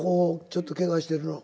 ちょっとケガしてるの。